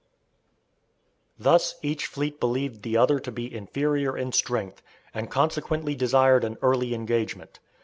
Thus each fleet believed the other to be inferior in strength, and consequently desired an early engagement.